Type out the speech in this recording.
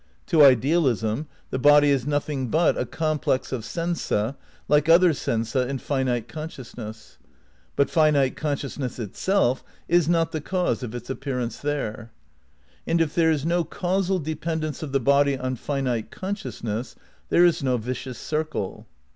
To idealism the body is nothing but a complex of sensa like other sensa in finite conscious ness; but finite consciousness itself is not the causa of its appearance there. And if there is no causal de pendence of the body on finite consciousness there is no vicious circle.